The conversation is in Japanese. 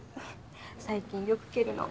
最近よく蹴るの。